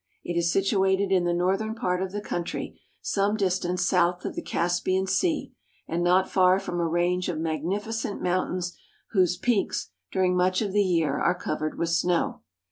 It is situated in the northern part of the country, some distance south of the Caspian Sea and not far from a range of mag nificent mountains whose peaks, during much of the year, are covered with snow.